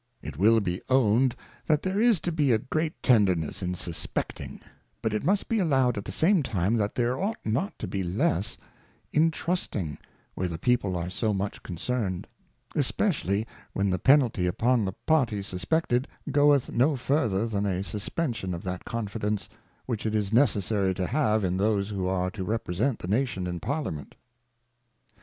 It will be owned, that there is to be a great tenderness in Suspecting ; but it must be allowed at the same time, that there ought not to be less in Trusting, where the People are so much concern'd; especially, when the Penalty upon the Party sus pected goeth no further than a Suspension of that Confidence, which it is necessary to have in those who are to represent the Nation in Parliament.